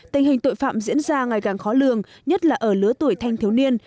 tình hình tội phạm diễn ra ngày càng khó lường nhất là ở lứa tuổi thanh thiếu niên